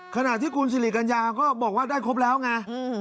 ขณะที่คุณสิริกัญญาก็บอกว่าได้ครบแล้วไง